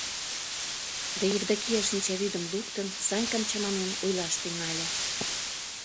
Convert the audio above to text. Да Евдокия шинчавӱдым луктын, Санькам чаманен ойлаш тӱҥале.